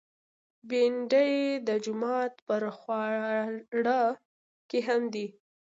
بېنډۍ د جومات پر خواړه کې هم وي